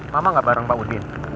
mama gak bareng pak udin